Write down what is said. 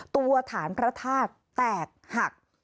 ตัวฐานพระธาตุแตกหัก